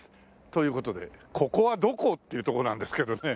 という事でここはどこ？っていうとこなんですけどね。